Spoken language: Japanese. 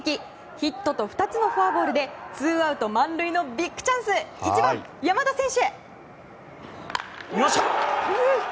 ヒットと２つのフォアボールでツーアウト満塁のビッグチャンス１番、山田選手！